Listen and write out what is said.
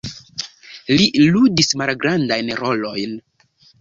Li ludis malgrandajn rolojn.